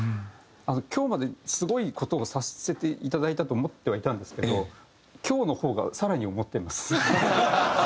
今日まですごい事をさせていただいたと思ってはいたんですけど今日の方が更に思ってます。